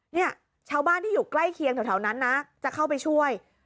เนี่ยชาวบ้านที่อยู่ใกล้เคียงแถวนั้นนะจะเข้าไปช่วย